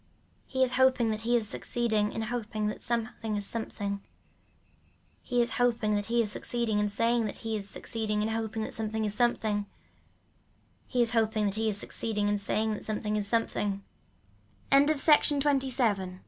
He is hoping that he is succeeding in hoping that something is something. He is hoping that he is succeeding in saying that he is succeeding in hoping that something is something. He is hoping that he is succeeding in saying that something is something. A CURTAIN RAISER Six. Twenty.